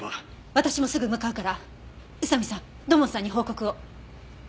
私もすぐ向かうから宇佐見さん土門さんに報告を。